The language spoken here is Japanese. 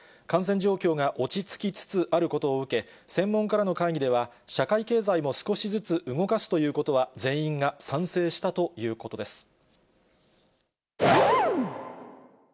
感染状況が落ち着きつつあることを受け、専門家らの会議では社会経済も少しずつ動かすということは全員が賛成したということです。